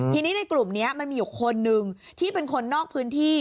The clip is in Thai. ทีนี้ในกลุ่มนี้มันมีอยู่คนนึงที่เป็นคนนอกพื้นที่